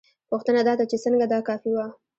پوښتنه دا ده چې څنګه دا کافي وه؟